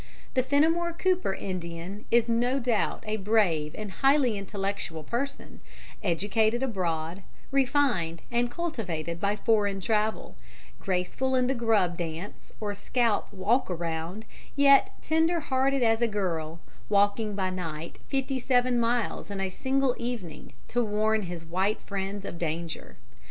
The Fenimore Cooper Indian is no doubt a brave and highly intellectual person, educated abroad, refined and cultivated by foreign travel, graceful in the grub dance or scalp walk around, yet tender hearted as a girl, walking by night fifty seven miles in a single evening to warn his white friends of danger.